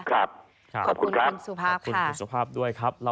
ครับขอบคุณครับขอบคุณคุณสุภาพด้วยครับขอบคุณครับ